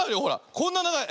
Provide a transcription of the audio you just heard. こんなながい。